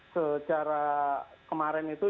secara kemarin itu